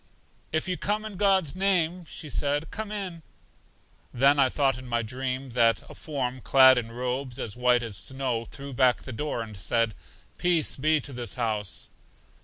If you come in God's name, said she, come in. Then I thought in my dream that a form, clad in robes as white as snow, threw back the door, and said, Peace be to this house.